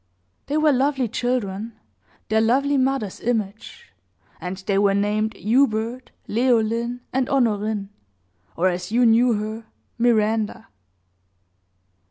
They were lovely children their lovely mother's image; and they were named Hubert, Leoline, and Honorine, or, as you knew her, Miranda.